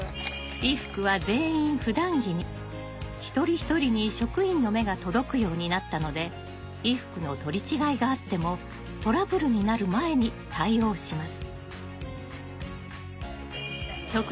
一人一人に職員の目が届くようになったので衣服の取り違いがあってもトラブルになる前に対応します。